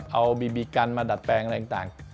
เอาบีบีกันมาดัดแปลงอะไรต่าง